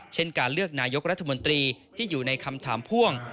เช่นการเลือกนายกรัฐมนตรีที่อยู่ในคำถามพ่วง